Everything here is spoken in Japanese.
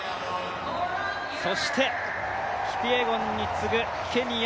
そしてキピエゴンに次ぐケニア